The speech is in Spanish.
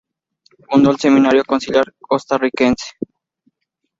Fundó el Seminario Conciliar costarricense.